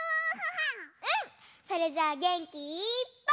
それじゃあげんきいっぱい。